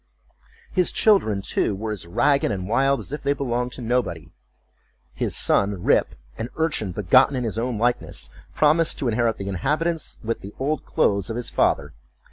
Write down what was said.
His children, too, were as ragged and wild as if they belonged to nobody. His son Rip, an urchin begotten in his own likeness, promised to inherit the habits, with the old clothes of his father.